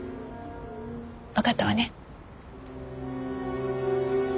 わかったわね？